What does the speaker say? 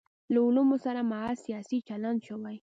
له علومو سره محض سیاسي چلند شوی.